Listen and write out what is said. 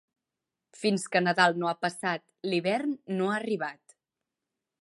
Fins que Nadal no ha passat, l'hivern no ha arribat.